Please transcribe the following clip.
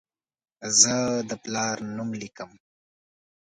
زه د پلار نوم لیکم.